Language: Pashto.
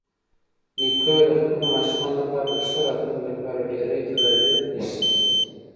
نیکه د خپلو ماشومانو لپاره د ښه راتلونکي لپاره ډېری تدابیر نیسي.